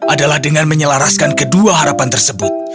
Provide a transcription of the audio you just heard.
adalah dengan menyelaraskan kedua harapan tersebut